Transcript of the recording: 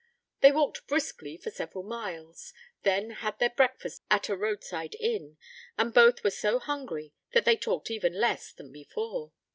They walked briskly for several miles, then had their breakfast at a roadside inn; and both were so hungry that they talked even less than before.